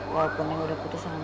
walaupun neng udah putus sama neng